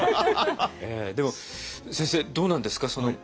でも先生どうなんですか？